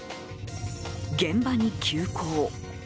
現場に急行。